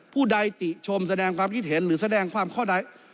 ผู้ใดติชมแสดงความคิดเห็นหรือแสดงความข้อใด